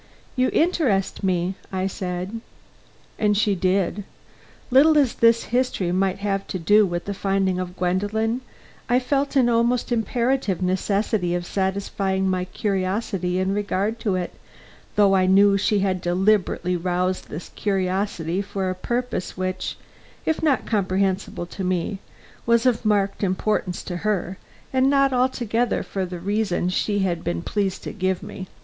"You interest me," I said. And she did. Little as this history might have to do with the finding of Gwendolen, I felt an almost imperative necessity of satisfying my curiosity in regard to it, though I knew she had deliberately roused this curiosity for a purpose which, if not comprehensible to me, was of marked importance to her and not altogether for the reason she had been pleased to give me.